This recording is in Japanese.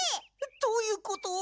どういうこと？